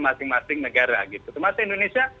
masing masing negara gitu termasuk indonesia